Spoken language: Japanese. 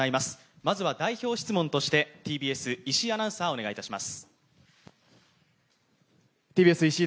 まずは代表質問としてＴＢＳ、石井アナウンサー、お願いします。